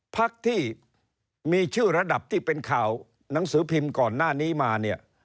พักที่มีชื่อระดับที่เป็นข่าวหนังสือพิมพ์ก่อนหน้านี้มาเนี่ย